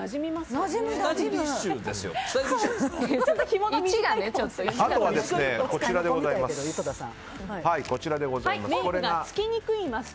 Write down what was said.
あとは、こちらでございます。